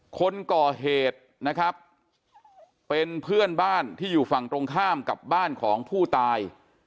คนก่อเหตุนะครับเป็นเพื่อนบ้านที่อยู่ฝั่งตรงข้ามกับบ้านของผู้ตาย